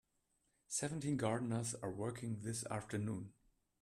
Seventeen gardeners are working this afternoon.